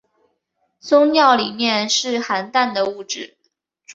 终尿里面是含氮的物质。